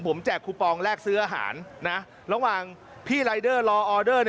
ผมแจกคูปองแลกซื้ออาหารระหว่างพี่รายเดอร์รอออเดอร์